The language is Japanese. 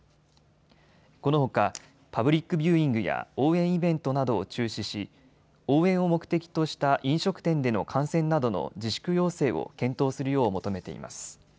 このほかパブリックビューイングや応援イベントなどを中止し応援を目的とした飲食店での観戦などの自粛要請を検討するよう求めています。